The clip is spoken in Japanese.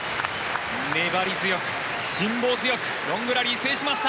粘り強く、辛抱強くロングラリー制しました。